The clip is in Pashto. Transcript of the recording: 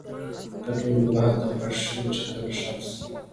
د ټولو به هلته خوښ شو؛ چې کله ښخ سو